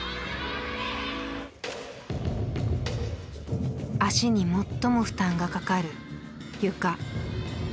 足に最も負担がかかるゆか。